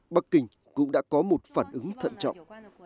bắc kinh cũng đã có một phản ứng thận trọng